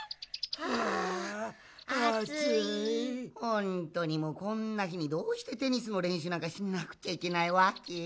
ほんとにもうこんなひにどうしてテニスのれんしゅうなんかしなくちゃいけないわけ？